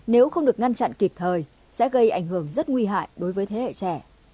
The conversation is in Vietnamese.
nếu không được ngăn chặn kịp thời sẽ gây ảnh hưởng rất nguy hại đối với thế hệ trẻ